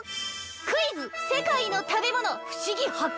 クイズ世界の食べ物ふしぎ発見！